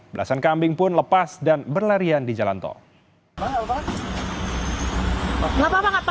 belasan kambing pun lepas dan berlarian di jalan tol